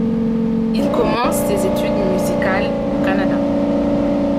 Il commence ses études musicales au Canada.